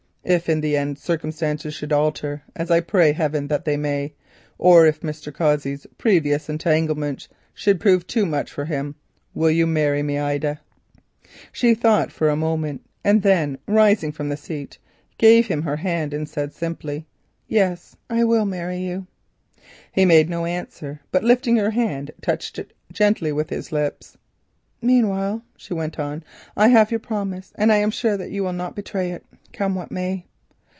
If in the end circumstances should alter, as I pray heaven that they may, or if Mr. Cossey's previous entanglement should prove too much for him, will you marry me, Ida?" She thought for a moment, and then rising from the seat, gave him her hand and said simply: "Yes, I will marry you." He made no answer, but lifting her hand touched it gently with his lips. "Meanwhile," she went on, "I have your promise, and I am sure that you will not betray it, come what may."